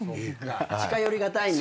近寄りがたいね。